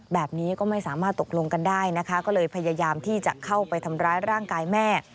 แบบนี้ก็ไม่สามารถตกลงกันได้นะคะก็เลยพยายามที่จะเข้าไปทำร้ายร่างกายแม่